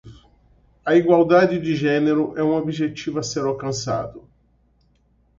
A igualdade de gênero é um objetivo a ser alcançado.